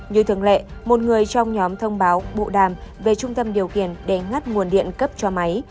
như thường lệ một người trong nhóm thông báo bộ đàm về trung tâm điều kiện để ngắt nguồn điện cấp cho máy